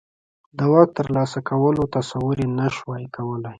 د واک ترلاسه کولو تصور یې نه شوای کولای.